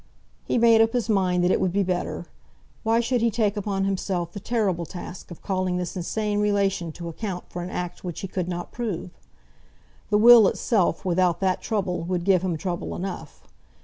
He made up his mind that it would be better. Why should he take upon himself the terrible task of calling this insane relation to account for an act which he could not prove? The will itself, without that trouble, would give him trouble enough.